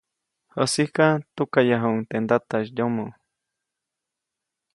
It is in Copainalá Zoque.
Jäsiʼka tukaʼyajuʼuŋ teʼ ndataʼis yomoʼ.